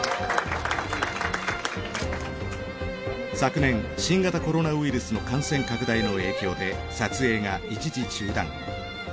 昨年新型コロナウイルスの感染拡大の影響で撮影が一時中断。